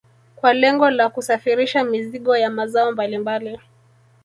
Kwa lengo la kusafirisha mizigo ya mazao mbalimbali